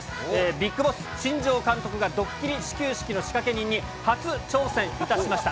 ビッグボス、新庄監督がドッキリ始球式の仕掛け人に初挑戦いたしました。